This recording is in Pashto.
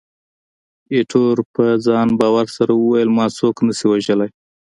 ایټور په ځان باور سره وویل، ما څوک نه شي وژلای.